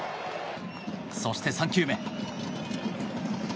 そして、３球目。